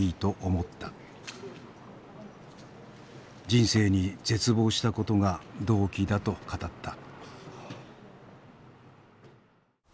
人生に絶望したことが動機だと語った。